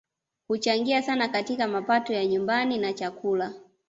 Huchangia sana katika mapato ya nyumbani na chakula